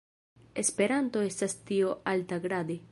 Esperanto estas tio altagrade.